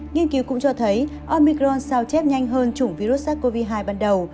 nghiên cứu cũng cho thấy omicron sao chép nhanh hơn chủng virus sars cov hai ban đầu